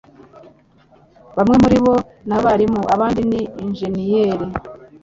Bamwe muribo ni abarimu, abandi ni injeniyeri.